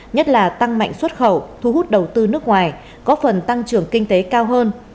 nhất là tăng mạnh xuất khẩu thu hút đầu tư nước ngoài có phần tăng trưởng kinh tế cao hơn